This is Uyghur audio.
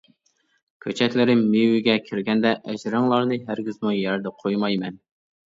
كۆچەتلىرىم مېۋىگە كىرگەندە ئەجرىڭلارنى ھەرگىزمۇ يەردە قويمايمەن!